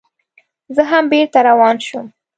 زه هم بېرته روان شوم.